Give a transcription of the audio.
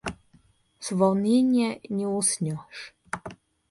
С волнения не уснешь.